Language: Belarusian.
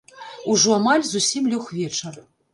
Ужо амаль зусім лёг вечар.